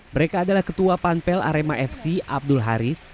mereka adalah ketua panpel arema fc abdul haris